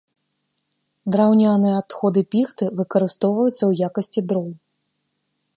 Драўняныя адходы піхты выкарыстоўваюцца ў якасці дроў.